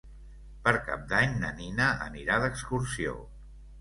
Per Cap d'Any na Nina anirà d'excursió.